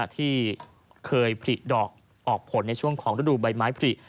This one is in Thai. ที่เคยผลิดอกออกผลในช่วงของฤดูใบไม้ผลิ